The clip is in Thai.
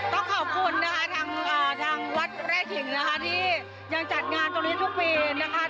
ต้องขอบคุณนะคะทางวัดแร่ขิงนะคะที่ยังจัดงานตรงนี้ทุกปีนะคะ